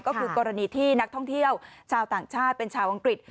ก็คือกรณีที่นักท่องเที่ยวชาวต่างชาติเป็นชาวอังกฤษ